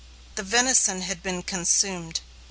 The venison had been consumed.